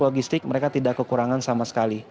logistik mereka tidak kekurangan sama sekali